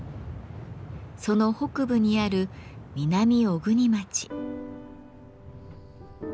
その北部にある南小国町。